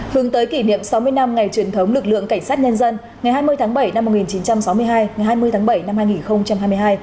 hướng tới kỷ niệm sáu mươi năm ngày truyền thống lực lượng cảnh sát nhân dân ngày hai mươi tháng bảy năm một nghìn chín trăm sáu mươi hai ngày hai mươi tháng bảy năm hai nghìn hai mươi hai